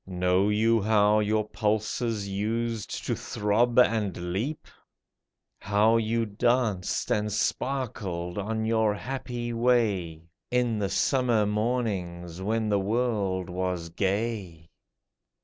Know you how your pulses used to throb and leap ? How you danced and sparkled on your happy way. In the summer mornings when the world was gay